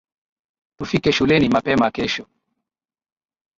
Tufike shuleni mapema kesho